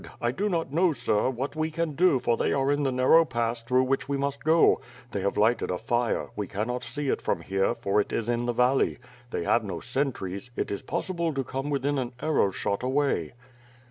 I do not know, sir, what we can do for they are in the narrow pass through which we must go. They have lighted a fire; we cannot see it from here, for it is in the valley. They have no sentries; it is possible to come within an arrow shot away."